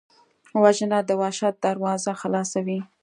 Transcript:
وژنه د وحشت دروازه خلاصوي